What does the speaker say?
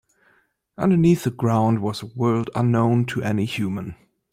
Underneath the ground was a world unknown to any human.